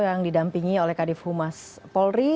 yang didampingi oleh kadif humas polri